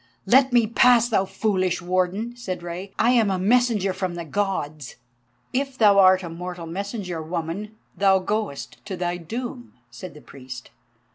"Let me pass, thou foolish warden," said Rei. "I am a messenger from the Gods." "If thou art a mortal messenger, woman, thou goest to thy doom," said the priest.